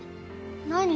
何？